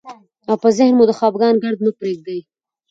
او په ذهن مو د خفګان ګرد مه پرېږدئ،